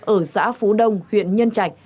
ở xã phú đông huyện nhân trạch